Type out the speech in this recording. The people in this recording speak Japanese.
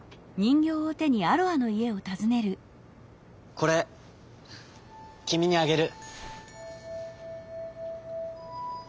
「これきみにあげる！」。